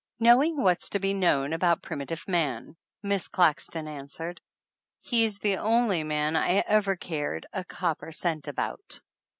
"Knowing what's to be known about Primi tive Man," Miss Claxton answered. "He's the only man I ever cared a copper cent about